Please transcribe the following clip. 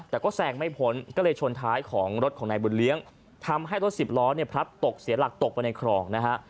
แต่ก็แซงไม่พ้นก็เลยชนท้ายของรถของนายบุญเลี้ยงทำให้รถสิบล้อเนี่ยพลัดตกเสียหลักตกไปในคลองนะฮะ